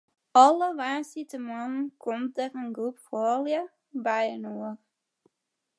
Alle woansdeitemoarnen komt dêr in groep froulju byinoar.